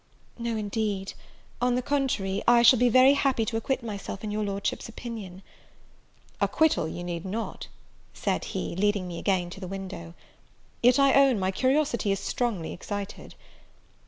"No, indeed; on the contrary I shall be very happy to acquit myself in your Lordship's opinion." "Acquittal you need not," said he, leading me again to the window; "yet I own my curiosity is strongly excited."